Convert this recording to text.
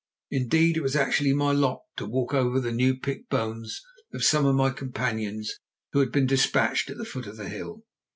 Indeed, it was actually my lot to walk over the new picked bones of some of my companions who had been despatched at the foot of the hill.